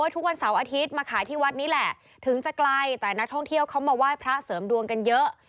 ทุกวันเสาร์อาทิตย์มาขายที่วัดนี้แหละถึงจะไกลแต่นักท่องเที่ยวเขามาไหว้พระเสริมดวงกันเยอะ